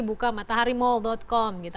buka mataharimall com gitu